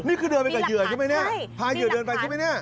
นี่คือเดินไปกับเหยื่อใช่ไหมเนี่ยพาเหยื่อเดินไปใช่ไหมเนี่ย